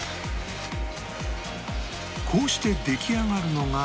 こうして出来上がるのが